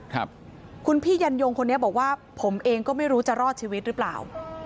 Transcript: ครับคุณพี่ยันยงคนนี้บอกว่าผมเองก็ไม่รู้จะรอดชีวิตหรือเปล่า